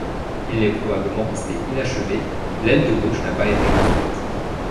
Il est probablement resté inachevé, l'aile de gauche n'a pas été construite.